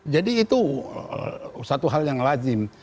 jadi itu satu hal yang lazim